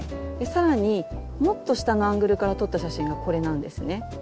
更にもっと下のアングルから撮った写真がこれなんですね。